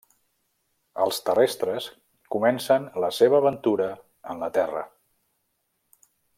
Els terrestres comencen la seva aventura en la Terra.